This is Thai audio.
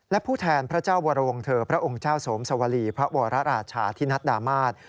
และผู้แทนพระเจ้าวรวงเธอพระองค์เจ้าสวมสวรีพระวรราชาธินัดดามาศ